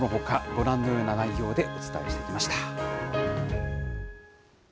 ご覧のような内容でお伝えしてきました。